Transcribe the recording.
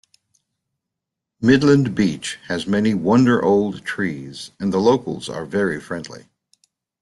Midland beach has many wonder old tree's and the locals are very friendly.